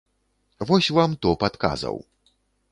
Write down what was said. Вось вам топ адказаў.